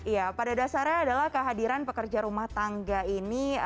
ya pada dasarnya adalah kehadiran pekerja rumah tangga ini